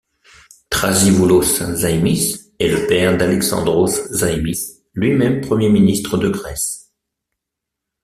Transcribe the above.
Thrasivoulos Zaimis est le père d'Alexandros Zaïmis, lui-même Premier ministre de Grèce.